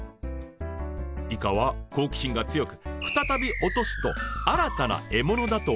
イカは好奇心が強く再び落とすと新たな獲物だと思い食いついてくるといいます。